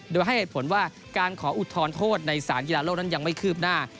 โดยให้เหตุผลว่าการขออุทธรณโทษในสารกีฬาโลกนั้นยังไม่คืบหน้า